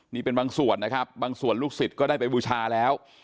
นี่เป็นบางส่วนนะครับบางส่วนลูกศิษย์ก็ได้ไปบูชาแล้ว